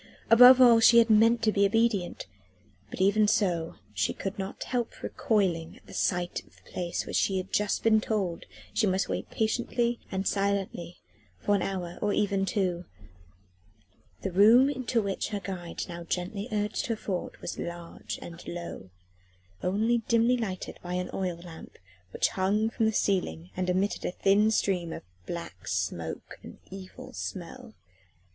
Above all she had meant to be obedient. But even so, she could not help recoiling at sight of the place where she had just been told she must wait patiently and silently for an hour, or even two. The room into which her guide now gently urged her forward was large and low, only dimly lighted by an oil lamp which hung from the ceiling and emitted a thin stream of black smoke and evil smell.